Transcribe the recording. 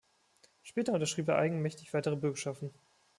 Später unterschrieb er eigenmächtig weitere Bürgschaften.